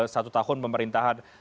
satu tahun pemerintahan